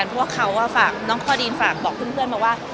เพราะว่าเขาฝากน้องคอดีนฝากบอกเพื่อนมาว่า